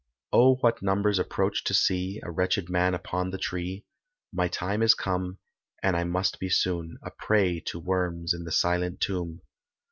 Oh what numbers approach to see A wretched man upon the tree, My time is come, and I must be soon, A prey to worms in the silent tomb.